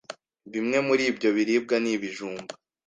Bimwe muri ibyo biribwa ni ibijumba,